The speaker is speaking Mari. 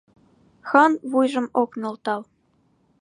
Хан вуйжым ок нӧлтал.